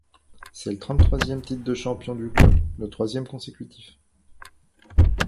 C’est le trente-troisième titre de champion du club, le troisième consécutif.